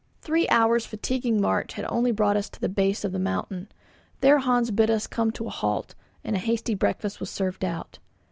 Three hours' fatiguing march had only brought us to the base of the mountain. There Hans bid us come to a halt, and a hasty breakfast was served out.